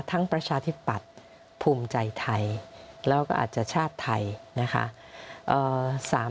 ประชาธิปัตย์ภูมิใจไทยแล้วก็อาจจะชาติไทยนะคะ